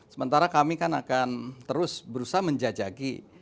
sementara kami kan akan terus berusaha menjajaki